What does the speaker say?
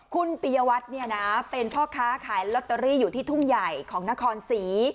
คุณปียวัตรเป็นพ่อค้าขายลอตเตอรี่อยู่ที่ทุ่งใหญ่ของนครศรี